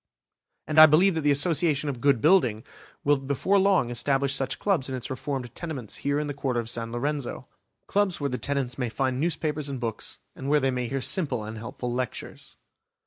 And I believe that the Association of Good Building will before long establish such clubs in its reformed tenements here in the Quarter of San Lorenzo; clubs where the tenants may find newspapers and books, and where they may hear simple and helpful lectures.